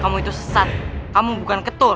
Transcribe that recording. kamu itu sesat kamu bukan ketul